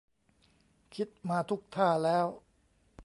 คิดมาทุกท่าแล้ว